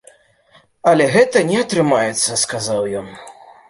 Але гэта не атрымаецца, сказаў ён.